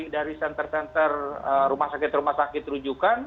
dari senter center rumah sakit rumah sakit rujukan